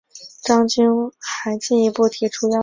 张军还进一步提出要求